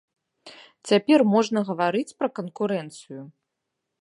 Цяпер можна гаварыць пра канкурэнцыю?